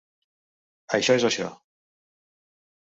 -Això és això.